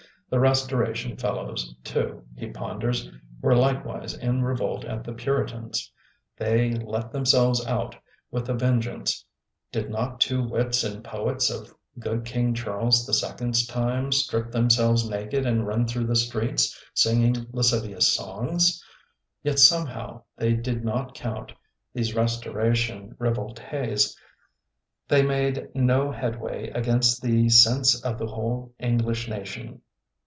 The Restoration fellows, too, he ponders, were likewise in revolt at the Puri tans; they "let themselves out" with a vengeance; did not two wits and poets of good King Charles the Sec ond's time strip themselves naked and run through the streets, singing las civious songs? Yet somehow they did not count, these Restoration rivolUs; they made no headway against "the sense of the whole English nation".